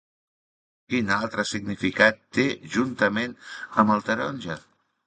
Quin altre significat té juntament amb el taronja?